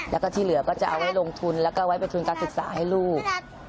แล้วก็ที่เหลือก็จะเอาไว้ลงทุนแล้วก็ไว้เป็นทุนการศึกษาให้ลูก